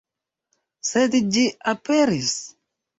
Sed ĝi aperis.